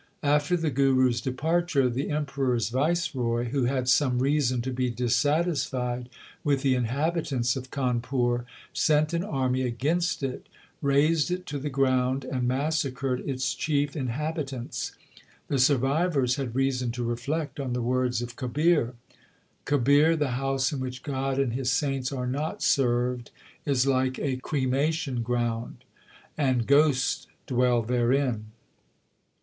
After the Guru s departure, the Emperor s viceroy, who had some reason to be dissatisfied with the inhabitants of Khanpur, sent an army against it, razed it to the ground, and massacred its chief inhabitants. The survivors had reason to reflect on the words of Kabir : Kabir, the house in which God and His saints are not served, Is like a cremation ground and ghosts dwell therein.